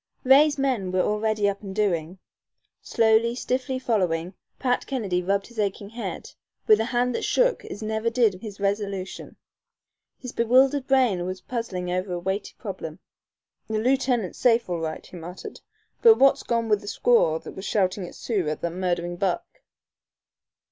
Ray's men were already up and doing. Slowly, stiffly following, Pat Kennedy rubbed his aching head, with a hand that shook as never did his resolution. His bewildered brain was puzzling over a weighty problem. "The lieutenant's safe all right," he muttered, "but what's gone wid the squaw that was shoutin' Sioux at that murdherin' buck?"